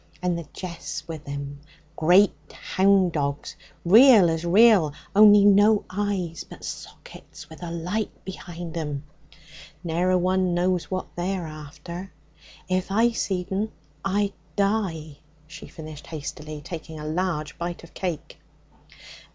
And the jeath's with him, great hound dogs, real as real, only no eyes, but sockets with a light behind 'em. Ne'er a one knows what they's after. If I seed 'em I'd die,' she finished hastily, taking a large bite of cake.